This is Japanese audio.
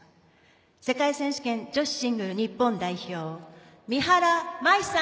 世界選手権女子シングル日本代表三原舞依さん。